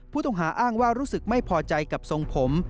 ผู้ต้องหาอ้างว่ารู้สึกไม่พอใจกับทรงผม